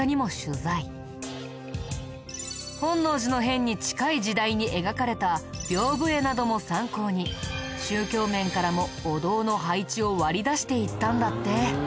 本能寺の変に近い時代に描かれた屏風絵なども参考に宗教面からもお堂の配置を割り出していったんだって。